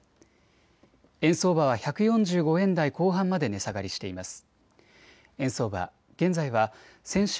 円相場は１４５円台後半まで値下がりしています。